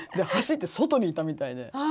走って外にいたみたいで。